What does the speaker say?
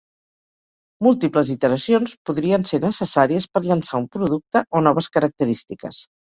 Múltiples iteracions podrien ser necessàries per llançar un producte o noves característiques.